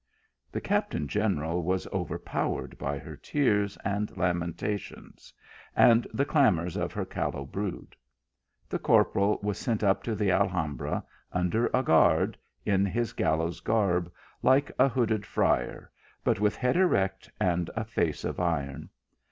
The captain general was overpowered by her tears and lamentations, and the clamours of her callow brood. The corporal was sent up to the Alhambra under a guard, in his gallows garb, like a THE GOVERNOR AND THE NOTARY. 249 hooded friar; but with head erect and a face of iron.